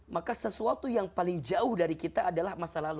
maka sesuatu yang paling jauh dari kita adalah masa lalu